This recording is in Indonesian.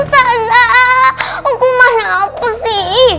ustadzah hukuman apa sih